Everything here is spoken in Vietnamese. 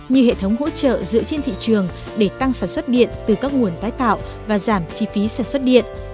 như hệ thống hỗ trợ dựa trên thị trường để tăng sản xuất điện từ các nguồn tái tạo và giảm chi phí sản xuất điện